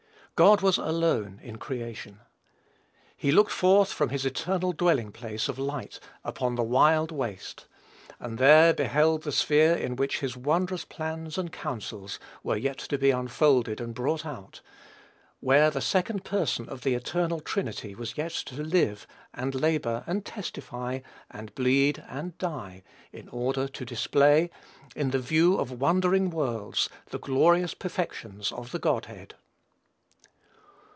God was alone in creation. He looked forth from his eternal dwelling place of light upon the wild waste, and there beheld the sphere in which his wondrous plans and counsels were yet to be unfolded and brought out where the Second Person of the Eternal Trinity was yet to live, and labor, and testify, and bleed, and die, in order to display, in the view of wondering worlds, the glorious perfections of the Godhead.